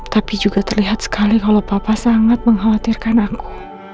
tapi juga terlihat sekali kalau papa sangat mengkhawatirkan aku